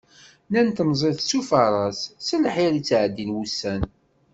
Nnan temẓi tettufaraṣ, s lḥir i ttεeddin wussan.